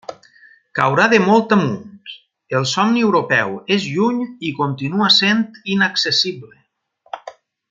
Caurà de molt amunt: el somni europeu és lluny i continua sent inaccessible.